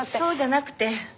そうじゃなくて。